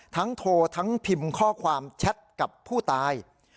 โทรทั้งพิมพ์ข้อความแชทกับผู้ตาย